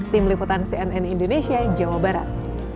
tim liputan cnn indonesia jawa barat